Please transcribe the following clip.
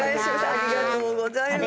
ありがとうございます。